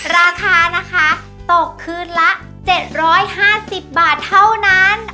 ราคานะคะตกคืนละ๗๕๐บาทเท่านั้น